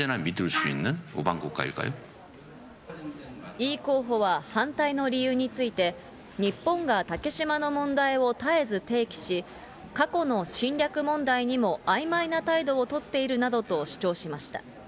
イ候補は反対の理由について、日本が竹島の問題を絶えず提起し、過去の侵略問題にもあいまいな態度を取っているなどと主張しました。